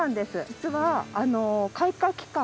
実は開花期間